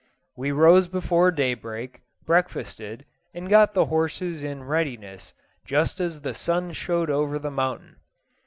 We rose before daybreak, breakfasted, and got the horses in readiness just as the sun showed over the mountain.